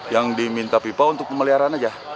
yang diminta pipa untuk pemeliharaan aja